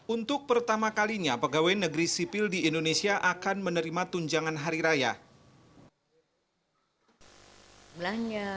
untuk pertama kalinya pegawai negeri sipil di indonesia akan menerima tunjangan hari raya